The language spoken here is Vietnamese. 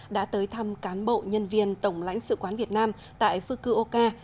đã tới thăm cán bộ nhân viên tổng lãnh sự quán việt nam tại fukuoka